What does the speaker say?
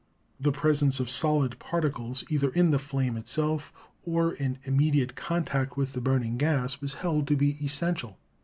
The presence of solid particles, either in the flame itself or in immediate contact with the burning gas, was held to be es sential.